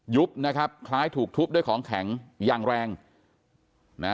ยุบนะครับคล้ายถูกทุบด้วยของแข็งอย่างแรงนะ